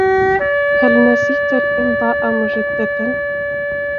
هل نسيت الإمضاء مجدّدا؟